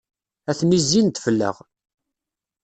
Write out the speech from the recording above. Atni zzin-d fell-aɣ.